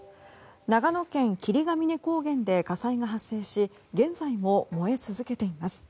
長野県霧ヶ峰高原で火災が発生し現在も燃え続けています。